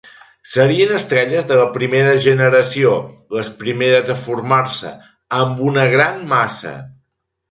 Serien estrelles de la primera generació, les primeres a formar-se, amb una gran massa.